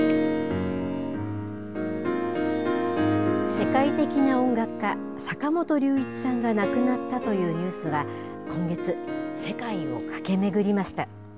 世界的な音楽家、坂本龍一さんが亡くなったというニュースが今月、世界を駆け巡りました。